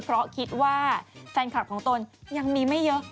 เพราะคิดว่าแฟนคลับของตนยังมีไม่เยอะ